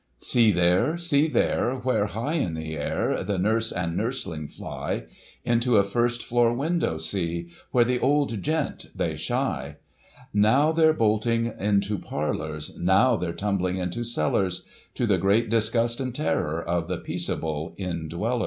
See there, see there, where, high in air, the nurse and nurseling fly \ Into a first floor window, see, where that old gent, they shy ! Now they're bolting into parlours, now they're tumbling into cellars, To the great disgust and terror of the peaceable indwellers.